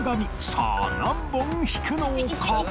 さあ何本引くのか？